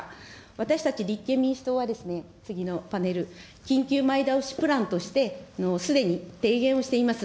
私たち立憲民主党は、次のパネル、緊急前倒しプランとして、すでに提言をしています。